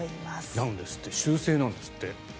なんですって。習性なんですって。